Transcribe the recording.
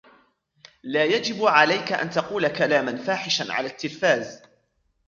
لا يجب عليك أن تقول كلاما فاحشا على التلفاز.